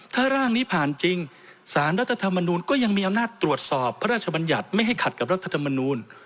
ถ้าร่างนี้ผ่านจริงสารรัฐธรรมนูลก็ยังมีอำนาจตรวจสอบพระราชบัญญัติไม่ให้ขัดกับรัฐธรรมนูล